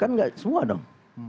kan enggak semua dong